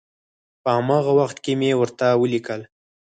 په هماغه وخت کې مې ورته ولیکل.